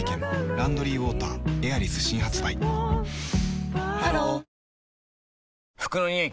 「ランドリーウォーターエアリス」新発売ハロー服のニオイ